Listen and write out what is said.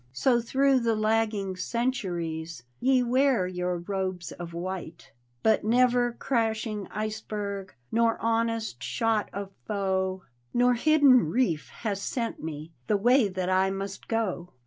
So through the lagging centuries Ye wear your robes of white. " But never crashing iceberg Nor honest shot of foe. Nor hidden reef has sent me The way that I must go.